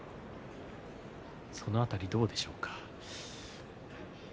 その辺りどうでしょうか。